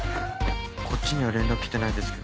こっちには連絡来てないですけど。